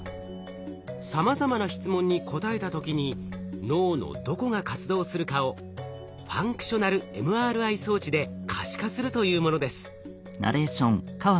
さまざまな質問に答えた時に脳のどこが活動するかをｆＭＲＩ装置で可視化するというものです。